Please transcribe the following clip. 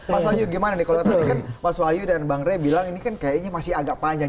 mas walyu gimana nih kalau tadi kan mas walyu dan bangre bilang ini kan kayaknya masih agak panjang